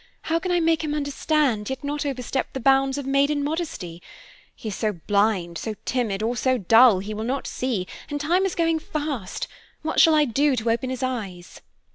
How can I make him understand, yet not overstep the bounds of maiden modesty? He is so blind, so timid, or so dull he will not see, and time is going fast. What shall I do to open his eyes?